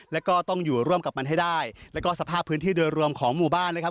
แล้วก็ต้องอยู่ร่วมกับมันให้ได้แล้วก็สภาพพื้นที่โดยรวมของหมู่บ้านนะครับ